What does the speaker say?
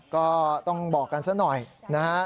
ก็ต้องบอกกันซะหน่อยนะฮะ